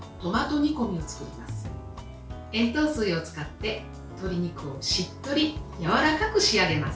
塩糖水を使って鶏肉をしっとりやわらかく仕上げます。